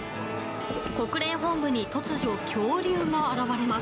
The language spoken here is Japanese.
国連本部に突如、恐竜が現れます。